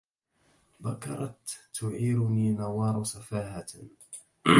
بكرت تعيرني نوار سفاهة